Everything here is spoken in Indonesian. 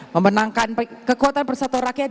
memenangkan kekuatan persatuan rakyat